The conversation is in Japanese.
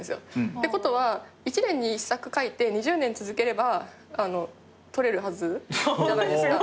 ってことは１年に１作書いて２０年続ければとれるはずじゃないですか。